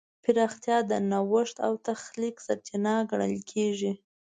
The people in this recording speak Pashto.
پراختیا د نوښت او تخلیق سرچینه ګڼل کېږي.